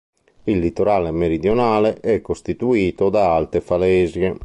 Il litorale meridionale è costituito da alte falesie.